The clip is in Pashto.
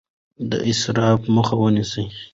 د اسراف مخه ونیسئ.